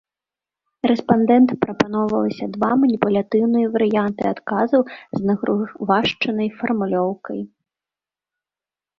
Рэспандэнтам прапаноўвалася два маніпулятыўныя варыянты адказаў з нагрувашчанай фармулёўкай.